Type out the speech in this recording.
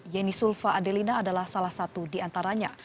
yeni sulfa adelina adalah salah satu di antaranya